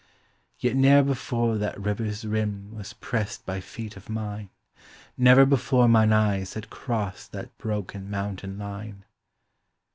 Yet ne'er before that river's rim Was pressed by feet of mine, Never before mine eyes had crossed That broken mountain line.